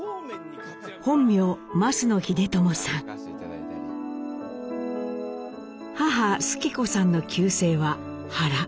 本名母主基子さんの旧姓は原。